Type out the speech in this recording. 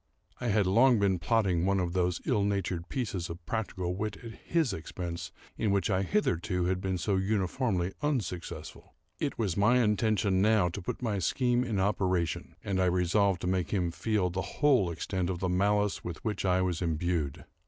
I had long been plotting one of those ill natured pieces of practical wit at his expense in which I had hitherto been so uniformly unsuccessful. It was my intention, now, to put my scheme in operation, and I resolved to make him feel the whole extent of the malice with which I was imbued.